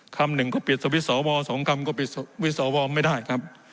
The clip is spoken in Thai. คำหนึ่งก็ปิดสวิทธิ์สอวร์สองคำก็ปิดสวิทธิ์สอวร์ไม่ได้ครับ